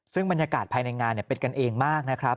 ซึ่งบรรยากาศภายในงานเป็นกันเองมากนะครับ